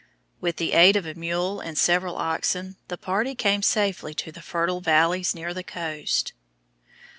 With the aid of a mule and several oxen, the party came safely to the fertile valleys near the coast.